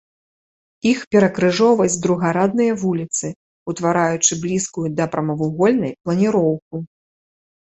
Іх перакрыжоўваюць другарадныя вуліцы, утвараючы блізкую да прамавугольнай планіроўку.